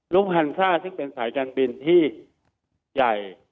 ฮันซ่าซึ่งเป็นสายการบินที่ใหญ่